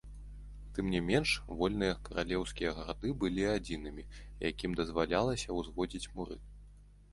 Тым не менш, вольныя каралеўскія гарады былі адзінымі, якім дазвалялася ўзводзіць муры.